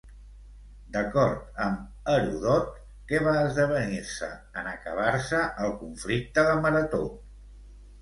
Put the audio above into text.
D'acord amb Heròdot, què va esdevenir-se en acabar-se el conflicte de Marató?